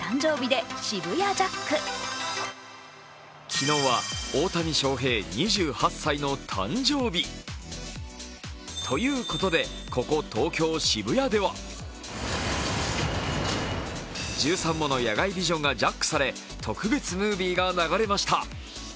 昨日は大谷翔平、２８歳の誕生日。ということで、ここ東京・渋谷では１３もの野外ビジョンがジャックされ、特別ムービーが流れました。